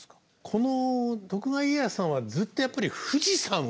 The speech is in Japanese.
この徳川家康さんはずっとやっぱり富士見櫓。